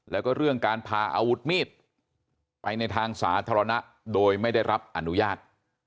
แล้วก็เรื่องการพาอาวุธมีดไปในทางสาธารณะโดยไม่ได้รับอนุญาต